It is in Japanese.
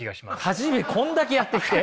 初めこんだけやってきて？